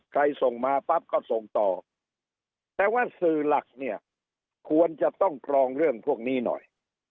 ส่งมาปั๊บก็ส่งต่อแต่ว่าสื่อหลักเนี่ยควรจะต้องกรองเรื่องพวกนี้หน่อย